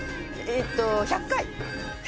えーと『１００回』。